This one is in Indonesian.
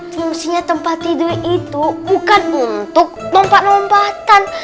fungsinya tempat tidur itu bukan untuk lompat lompatan